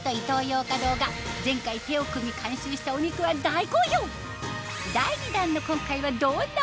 ヨーカドーが前回手を組み監修したお肉は大好評！